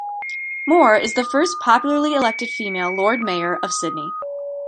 Moore is the first popularly elected female Lord Mayor of Sydney.